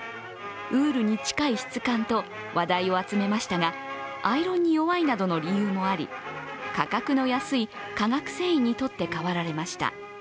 ウールに近い質感と話題を集めましたがアイロンに弱いなどの理由もあり価格の安い化学繊維に取って代わられました。